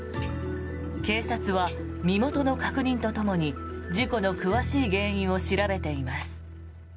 警察は身元の確認とともに事故の詳しい原因を調べています。